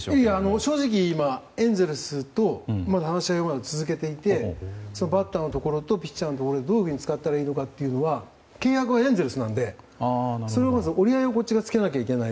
正直、まだエンゼルスと話し合いを続けていてバッターのところとピッチャーのところでどういうふうに使ったらいいのかというところは契約はエンゼルスなんでそれをまず折り合いをこっちがつけなきゃいけない。